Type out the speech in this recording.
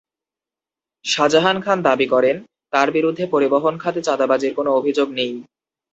শাজাহান খান দাবি করেন, তাঁর বিরুদ্ধে পরিবহন খাতে চাঁদাবাজির কোনো অভিযোগ নেই।